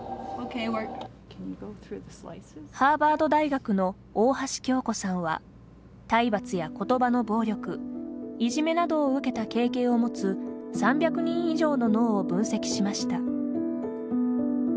ハーバード大学の大橋恭子さんは体罰や言葉の暴力いじめなどを受けた経験を持つ３００人以上の脳を分析しました。